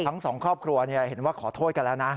ทั้งสองครอบครัวเห็นว่าขอโทษกันแล้วนะ